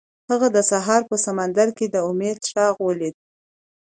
هغه د سهار په سمندر کې د امید څراغ ولید.